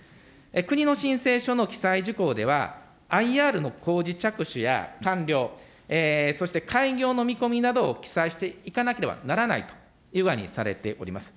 国の申請書の記載事項では、ＩＲの工事着手や完了、そして開業の見込みなどを記載していかなければならないという具合にされております。